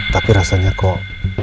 tapi rasanya kok